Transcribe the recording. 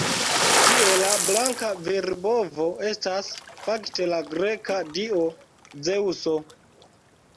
Tie la blanka virbovo estas fakte la greka dio Zeŭso.